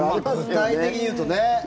具体的に言うとね。